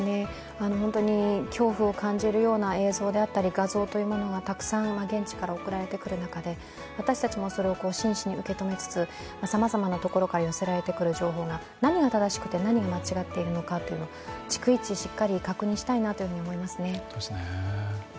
恐怖を感じるような映像だったり画像がたくさん現地から送られてくる中で私たちもそれを真摯に受け止めつつ、さまざまなところから寄せられてくる情報が何が正しくて、何が間違っているのかを逐一、しっかり確認したいなと思いますね。